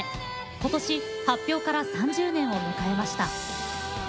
今年、発表から３０年を迎えました。